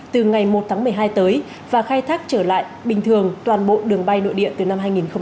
từ ngày một tháng một mươi hai tới và khai thác trở lại bình thường toàn bộ đường bay nội địa từ năm hai nghìn hai mươi